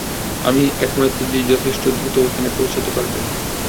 আমিই একমাত্র যে যথেষ্ট দ্রুত ওখানে পৌঁছাতে পারবে।